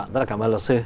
rất là cảm ơn luật sư